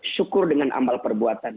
syukur dengan amal perbuatan